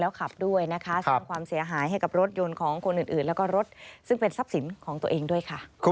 ขับด้วยนะคะสร้างความเสียหายให้กับรถยนต์ของคนอื่นแล้วก็รถซึ่งเป็นทรัพย์สินของตัวเองด้วยค่ะ